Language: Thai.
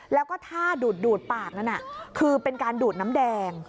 แล้วก็ถ้าดูดปากนั้นคือเป็นการดูดน้ำแดง